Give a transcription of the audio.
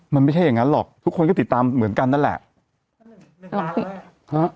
มันไม่ใช่อย่างงั้นหรอกทุกคนก็ติดตามเหมือนกันนั่นแหละหนึ่งล้านอะไรฮะ